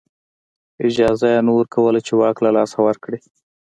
اجازه یې نه ورکوله چې واک له لاسه ورکړي.